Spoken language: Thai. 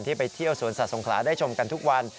ไปเที่ยวสวนสัตว์สงขลาได้ชมกันทุกวัน